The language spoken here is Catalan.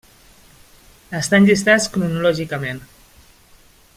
Estan llistats cronològicament.